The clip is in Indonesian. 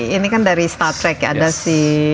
ini kan dari star trek ya ada si